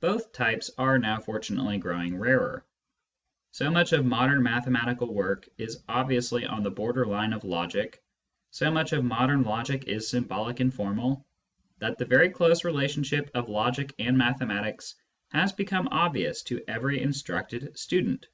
Both types are now fortunately growing rarer. So much of modern mathematical work is obviously on the border line of logic, so much of modern logic is symbolic and formal, that the very close relationship of logic and mathematics has become obvious to every instructed student.